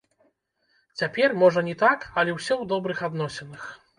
Цяпер, можа, не так, але ўсе ў добрых адносінах.